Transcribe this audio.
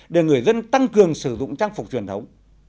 để người dân tăng cường sử dụng trang phục truyền thống